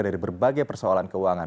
dari berbagai persoalan keuangan